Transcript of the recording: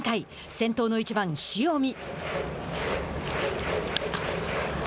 先頭の１番塩見。